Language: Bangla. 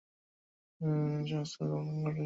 পাকিস্তান আমলে দুটি আইন সংস্কার কমিশন গঠিত হয়।